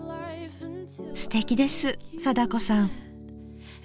すてきです貞子さん。